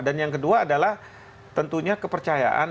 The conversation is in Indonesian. dan yang kedua adalah tentunya kepercayaan